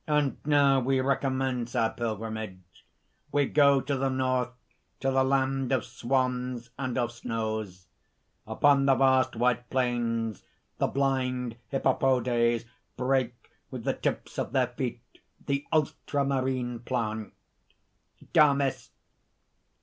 "And now we recommence our pilgrimage. "We go to the North to the land of Swans and of snows. Upon the vast white plains, the blind hippopodes break with the tips of their feet the ultramarine plant." DAMIS.